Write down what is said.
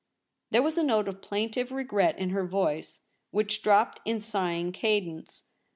There was a note of plaintive regret in her voice, which dropped in sighing cadence.